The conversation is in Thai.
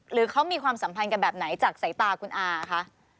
หรือเขามีความสัมพันธ์กันแบบไหนจากสายตาคุณอาคะ